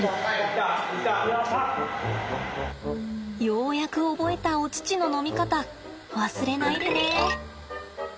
ようやく覚えたお乳の飲み方忘れないでね。